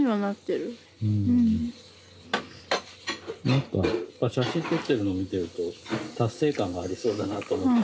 何か写真撮ってるのを見てると達成感がありそうだなと思って。